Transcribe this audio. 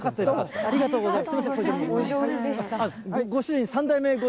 ありがとうございます。